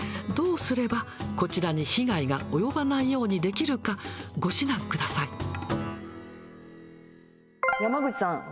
どうすれば、こちらに被害が及ばないようにできるかご指南ください。